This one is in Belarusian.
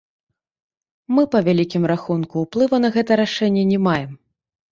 Мы па вялікім рахунку ўплыву на гэта рашэнне не маем.